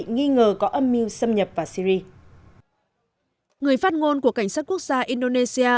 nghĩ ngờ có âm mưu xâm nhập vào syri người phát ngôn của cảnh sát quốc gia indonesia